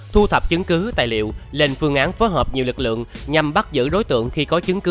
thu thập chứng cứ tài liệu lên phương án phối hợp nhiều lực lượng nhằm bắt giữ đối tượng khi có chứng cứ